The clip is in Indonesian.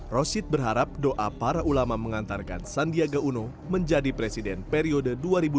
roshid berharap doa para ulama mengantarkan sandiaga uno menjadi presiden periode dua ribu dua puluh